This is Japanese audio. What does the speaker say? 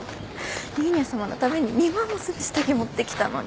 ニーニャさまのために２万もする下着持ってきたのに。